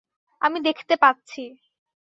আমি দেখতে পাচ্ছি।